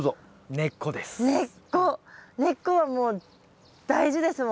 根っこはもう大事ですもんね。